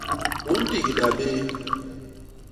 U mbigda béé.